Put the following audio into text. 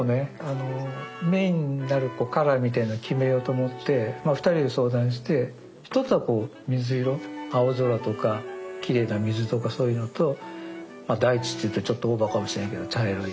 メインになるカラーみたいなのを決めようと思って二人で相談して１つは水色青空とかきれいな水とかそういうのと大地っていったらちょっとオーバーかもしれないけど茶色い。